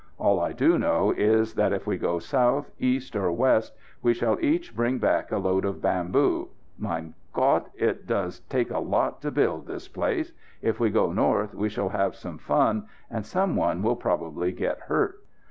All I do know is that if we go south, east or west we shall each bring back a load of bamboo. Mein Gott! It does take a lot to build this place. If we go north we shall have some fun, and some one will probably get hurt."